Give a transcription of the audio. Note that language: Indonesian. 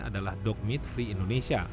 adalah dog meat free indonesia